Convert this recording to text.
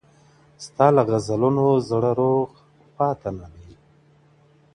ستا له غزلونو زړه روغ پاته نه دی~